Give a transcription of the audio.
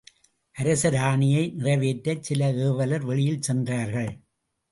அரசர் ஆணையை நிறைவேற்றச் சில ஏவலர் வெளியில் சென்றார்கள்.